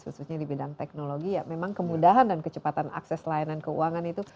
khususnya di bidang teknologi ya memang kemudahan dan kecepatan akses layanan keuangan itu